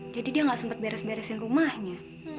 jadi dia gak sempet beres beresin rumahnya